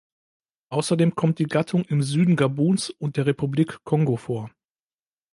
Außerdem kommt die Gattung im Süden Gabuns und der Republik Kongo vor.